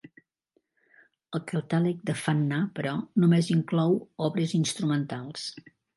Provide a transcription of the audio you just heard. El catàleg de Fanna, però, només inclou obres instrumentals.